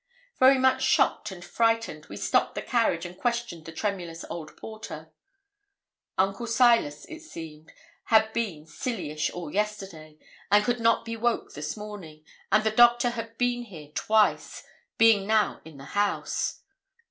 Very much shocked and frightened, we stopped the carriage, and questioned the tremulous old porter. Uncle Silas, it seemed, had been 'silly ish' all yesterday, and 'could not be woke this morning,' and 'the doctor had been here twice, being now in the house.'